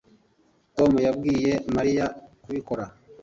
Tom yabwiye Mariya kubikora